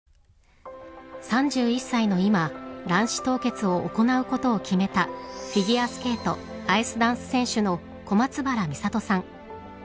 ３１歳の今卵子凍結を行うことを決めたフィギュアスケートアイスダンス選手の小松原美里さん。